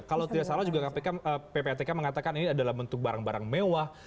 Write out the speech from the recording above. kalau tidak salah juga ppatk mengatakan ini adalah bentuk barang barang mewah